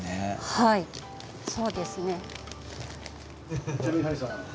はいそうですね。